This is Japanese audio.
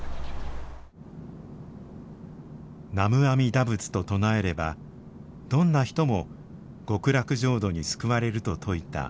南無阿弥陀仏と唱えればどんな人も極楽浄土に救われると説いた法然。